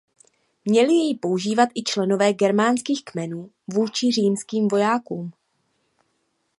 Měli jej používat i členové germánských kmenů vůči římským vojákům.